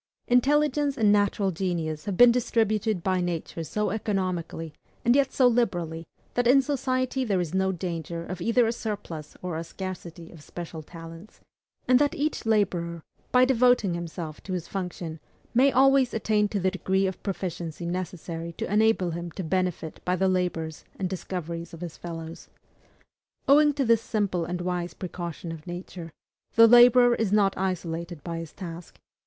Intelligence and natural genius have been distributed by Nature so economically, and yet so liberally, that in society there is no danger of either a surplus or a scarcity of special talents; and that each laborer, by devoting himself to his function, may always attain to the degree of proficiency necessary to enable him to benefit by the labors and discoveries of his fellows. Owing to this simple and wise precaution of Nature, the laborer is not isolated by his task.